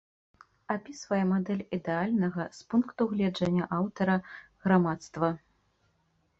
Апісвае мадэль ідэальнага, з пункту гледжання аўтара, грамадства.